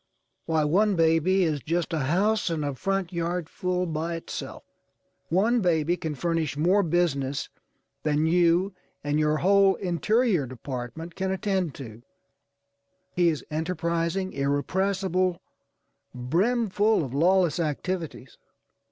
Why, one baby is just a house and a front yard full by itself. One baby can furnish more business than you and your whole Interior Department can attend to. He is enterprising, irrepressible, brimful of lawless activities.